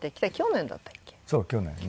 そう去年ね。